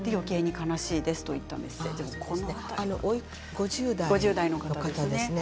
５０代の方ですね。